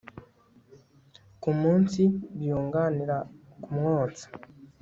ku munsi byunganira kumwonsa